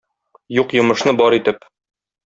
Юк йомышны бар итеп.